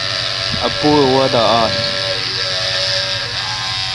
اّپوُاے°وادہ آس۔